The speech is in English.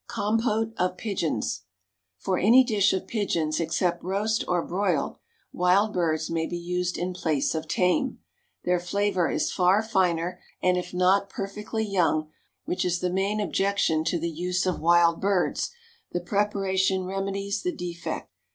Compote of Pigeons. For any dish of pigeons except roast or broiled, wild birds may be used in place of tame. Their flavor is far finer, and if not perfectly young, which is the main objection to the use of wild birds, the preparation remedies the defect.